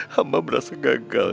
hamba merasa gagal